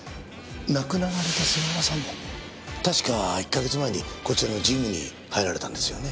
亡くなられた菅原さんも確か１カ月前にこちらのジムに入られたんですよね？